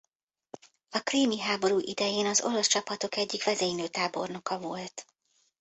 A krími háború idején az orosz csapatok egyik vezénylő tábornoka volt.